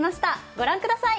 ご覧ください。